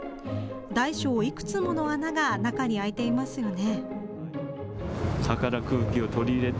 大小いくつもの穴が中に開いていますよね。